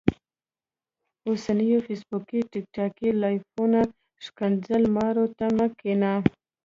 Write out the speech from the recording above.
اوسنيو فيسبوکي ټیک ټاکي لايفونو ښکنځل مارو ته مه کينه